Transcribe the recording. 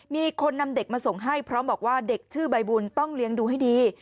มีคนนำเด็กมาส่งให้พร้อมบอกว่าเด็กชื่อใบบุญต้องเลี้ยงดูให้ดี